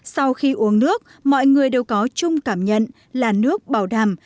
sau khi uống nước mọi người đều có chung cảm nhận là nước bảo đảm